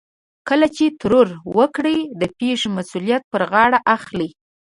کله چې ترور وکړي د پېښې مسؤليت پر غاړه اخلي.